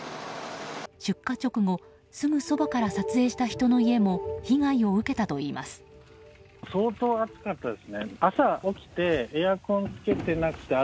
出火直後すぐそばから撮影した人の家も被害を受けたといいます。